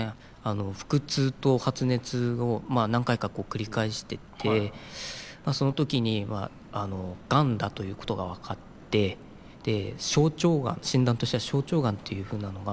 腹痛と発熱を何回か繰り返しててその時にガンだということが分かって診断としては小腸ガンというふうなのが。